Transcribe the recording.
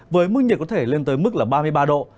với mức nhiệt có thể lên tới mức là ba mươi ba độ